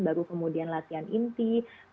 baru kemudian latihan inti